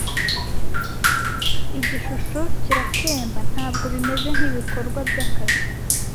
Igishusho kiratemba! - ntabwo bimeze nkibikorwa byakazi